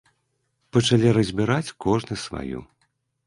Пачалі разбіраць кожны сваю.